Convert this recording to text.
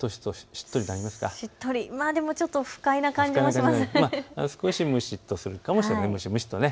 ちょっと不快な感じもしますね。